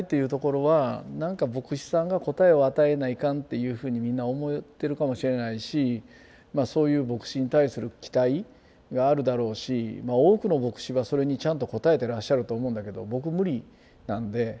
いうふうにみんな思ってるかもしれないしそういう牧師に対する期待があるだろうし多くの牧師はそれにちゃんと応えてらっしゃると思うんだけど僕無理なんで。